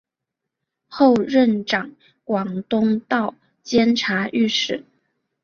后任掌广东道监察御史。